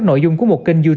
ví dụ như là mở mặt nhân vật